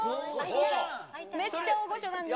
めっちゃ大御所なんですよ。